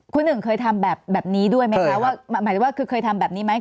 คุณหนึ่งเคยทำแบบนี้ด้วยไหมคะว่าหมายถึงว่าคือเคยทำแบบนี้ไหม